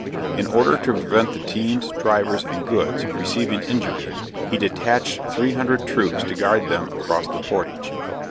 In order to prevent the teams, drivers and goods, receiving injury, he detached 300 troops to guard them across the portage.